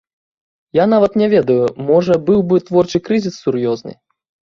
Я нават не ведаю, можа, быў бы творчы крызіс сур'ёзны.